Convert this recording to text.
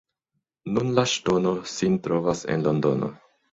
Nun la ŝtono sin trovas en Londono.